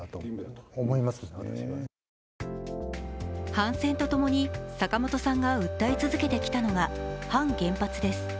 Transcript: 反戦とともに坂本さんが訴え続けてきたのは、反原発です。